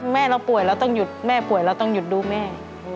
แม่เราป่วยเราต้องหยุดแม่ป่วยเราต้องหยุดดูแม่